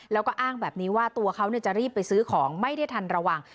แล้วก็อ้างแบบนี้ว่าตัวเขาจะรีบไปซื้อของไม่ได้ทันระวัง